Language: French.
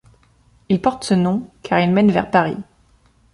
Il porte ce nom car il mène vers Paris.